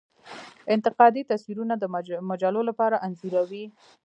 انتقادي تصویرونه د مجلو لپاره انځوروي.